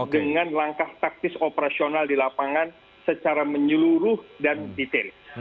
dengan langkah taktis operasional di lapangan secara menyeluruh dan detail